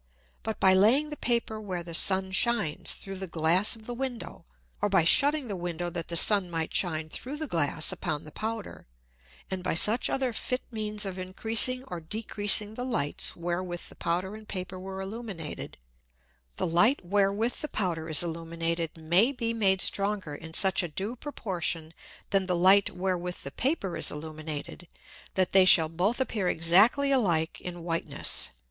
But by laying the Paper where the Sun shines through the Glass of the Window, or by shutting the Window that the Sun might shine through the Glass upon the Powder, and by such other fit Means of increasing or decreasing the Lights wherewith the Powder and Paper were illuminated, the Light wherewith the Powder is illuminated may be made stronger in such a due Proportion than the Light wherewith the Paper is illuminated, that they shall both appear exactly alike in Whiteness.